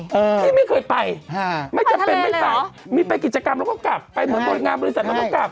พี่ไม่เคยไปไม่จำเป็นไม่ไปมีไปกิจกรรมเราก็กลับไปหมดงานบริษัทเราก็กลับ